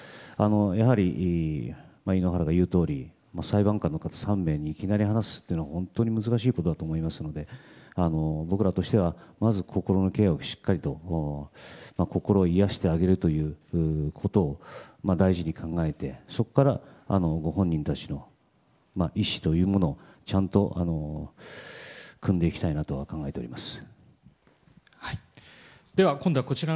やはり、井ノ原が言うとおり裁判官の３名にいきなり話すというのは本当に難しいことだと思いますので僕らとしてはまず心のケアをしっかり心を癒やしてあげるということを大事に考えて、そこからご本人たちの意思というものをちゃんと汲んでいきたいなと考えております。